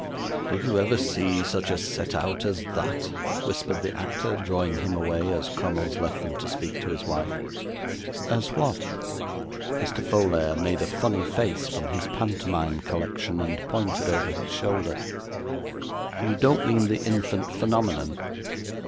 'Did you ever see such a set out as that?' whispered the actor, drawing him away, as Crummles left them to speak to his wife. 'As what?' Mr. Folair made a funny face from his pantomime collection, and pointed over his shoulder. 'You don't mean the infant phenomenon?